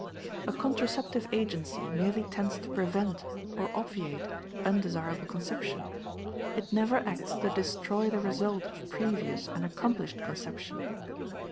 A "contraceptive" agency merely tends to prevent or obviate undesirable conception; it never acts to destroy the result of previous and accomplished conception.